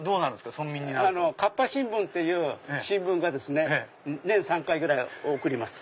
『かっぱ新聞』っていう新聞年３回ぐらい送ります。